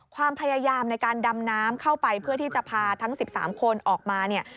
ความพยายามในการดำน้ำเข้าไปเพื่อที่จะพาทั้ง๑๓คนออกมาเนี่ย